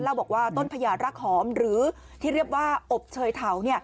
บอกว่าต้นพญารักหอมหรือที่เรียกว่าอบเชยเถา